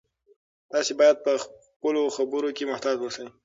تاسي باید په خپلو خبرو کې محتاط اوسئ.